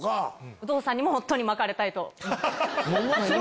有働さんにも本当に巻かれたいと。